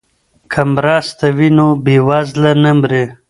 که مرسته وي نو بیوزله نه مري.